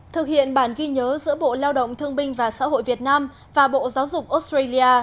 thực hiện bản ghi nhớ giữa bộ lao động thương binh và xã hội việt nam và bộ giáo dục australia